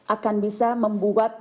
akan bisa membuat